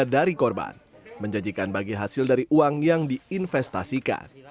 dari korban menjanjikan bagi hasil dari uang yang diinvestasikan